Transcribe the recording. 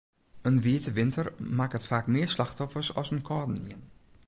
In wiete winter makket faak mear slachtoffers as in kâldenien.